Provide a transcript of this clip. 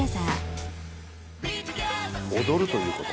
踊るということ